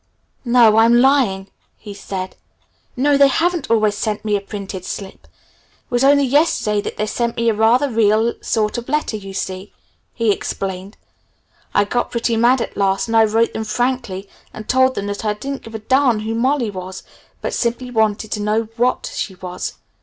"No, I'm lying," he said. "No, they haven't always sent me a printed slip. It was only yesterday that they sent me a rather real sort of letter. You see," he explained, "I got pretty mad at last and I wrote them frankly and told them that I didn't give a darn who 'Molly' was, but simply wanted to know what she was.